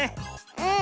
うん。